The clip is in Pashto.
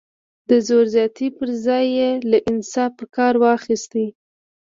د زور زیاتي پر ځای یې له انصاف کار واخیست.